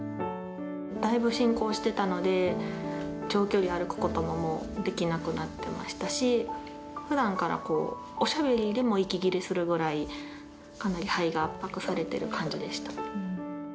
だいぶ進行してたので、長距離歩くことももう、できなくなってましたし、ふだんからこう、おしゃべりでも息切れするぐらい、かなり肺が圧迫されている感じでした。